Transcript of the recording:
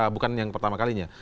bukan yang pertama kalinya